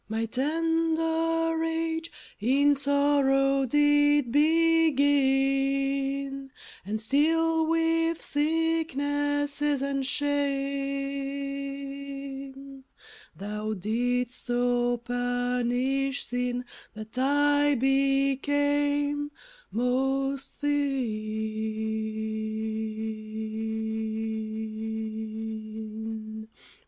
43 My tender age in sorrow did begin ; And still with sicknesses and shame Thou didst so punish sin, That I became Most thin.